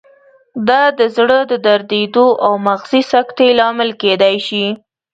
دا د زړه د دریدو او مغزي سکتې لامل کېدای شي.